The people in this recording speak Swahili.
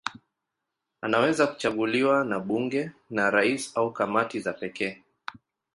Anaweza kuchaguliwa na bunge, na rais au kamati za pekee.